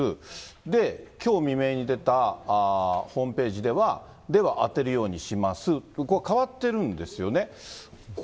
で、きょう未明に出たホームページでは、では当てるようにします、ここが変わってるんですよね。